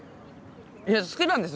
いや好きなんです